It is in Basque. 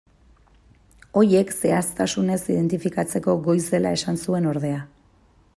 Horiek zehaztasunez identifikatzeko goiz dela esan zuen ordea.